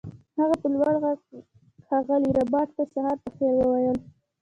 هغه په لوړ غږ ښاغلي ربیټ ته سهار په خیر وویل